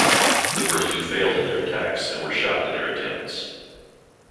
The first two failed in their attacks and were shot in their attempts.